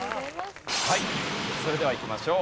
はいそれではいきましょう。